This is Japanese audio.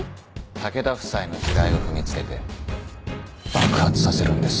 武田夫妻の地雷を踏み付けて爆発させるんです。